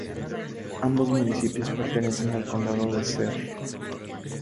Ambos municipios pertenecen al condado de Saare.